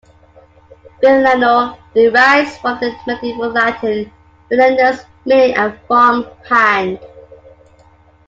"Villano" derives from the Medieval Latin "villanus", meaning a "farmhand".